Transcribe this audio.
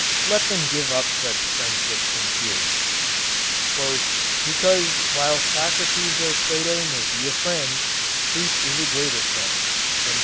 Let them give up such friendships and fears. 'Because while Socrates or Plato may be a friend, truth is a greater friend.'